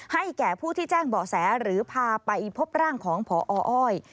ให้แก่ผู้ที่แจ้งเบาะแสหรือพาไปพบร่างของพออ้อย